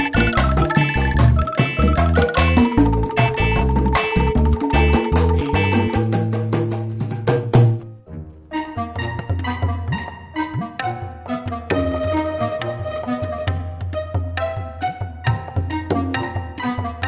berus nation termasuk